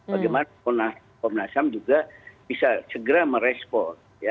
bagaimana komnas ham juga bisa segera merespon